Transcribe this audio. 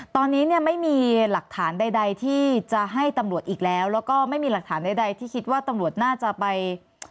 ตอนนี้เนี่ยไม่มีหลักฐานใดที่จะให้ตำรวจอีกแล้วแล้วก็ไม่มีหลักฐานใดที่คิดว่าตำรวจน่าจะไป